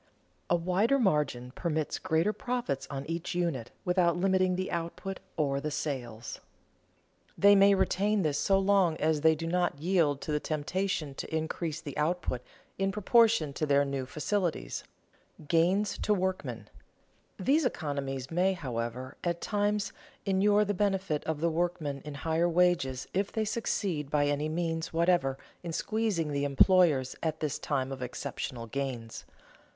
A wider margin permits greater profits on each unit without limiting the output or the sales. They may retain this so long as they do not yield to the temptation to increase the output in proportion to their new facilities. [Sidenote: Gains to workmen] These economies, may, however, at times inure to the benefit of the workmen in higher wages if they succeed by any means whatever in squeezing the employers at this time of exceptional gains.